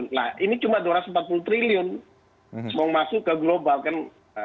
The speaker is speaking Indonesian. nah ini cuma dua ratus empat puluh triliun mau masuk ke global kan